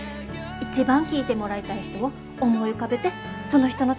一番聴いてもらいたい人を思い浮かべてその人のために歌う。